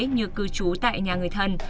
như cư trú tại nhà người thân